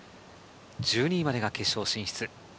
１２位までが決勝進出。